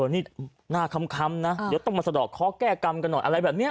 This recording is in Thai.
นี่หน้าคำนะเดี๋ยวต้องมาสะดอกเคาะแก้กรรมกันหน่อยอะไรแบบนี้